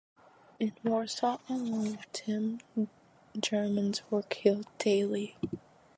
In Warsaw alone, ten Germans were killed daily.